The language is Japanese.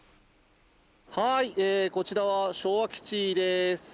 はいこちらは昭和基地です。